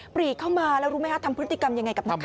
ปรีเข้ามาแล้วรู้ไหมคะทำพฤติกรรมยังไงกับนักข่าว